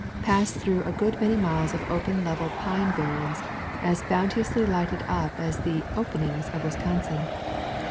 Passed through a good many miles of open level pine barrens, as bounteously lighted as the "openings" of Wisconsin.